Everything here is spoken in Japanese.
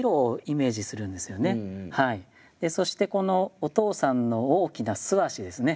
そしてこのお父さんの大きな素足ですね